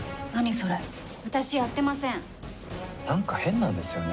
それ私やってません何か変なんですよね